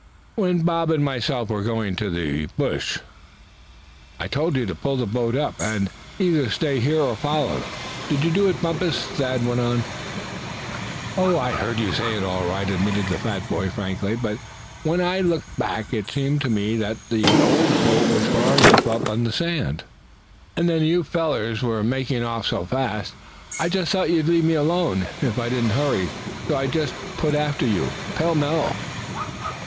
"When Bob and myself were going into the brush I told you to pull the boat up, and either stay here, or follow. Did you do it, Bumpus?" Thad went on. "Oh! I heard you say it, all right," admitted the fat boy, frankly; "but when I looked back, it seemed to me that the old boat was far enough up on the sand; and then you fellers were making off so fast I just thought you'd leave me alone if I didn't hurry. So I just put after you, pellmell."